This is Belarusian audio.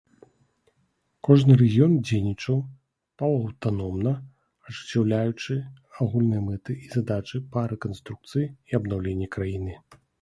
Кожны рэгіён дзейнічаў паўаўтаномна, ажыццяўляючы агульныя мэты і задачы па рэканструкцыі і абнаўленні краіны.